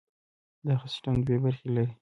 دغه سیستم دوې برخې لري.